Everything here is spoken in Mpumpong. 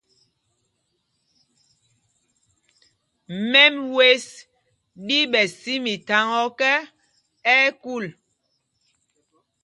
Mɛm wɛ̄ ɗí ɓɛ̌ sī mitháŋá ɔ́kɛ, ɛ́ ɛ́ kūl.